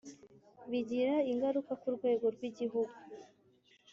bigira ingaruka ku rwego rw Igihugu